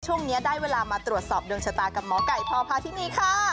ช่วงนี้ได้เวลามาตรวจสอบดวงชะตากับหมอไก่พพาธินีค่ะ